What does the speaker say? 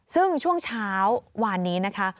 ซึ่งช่วงเช้าวานนี้นะคะ